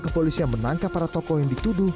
polisi yang menangkap para tokoh yang dituduh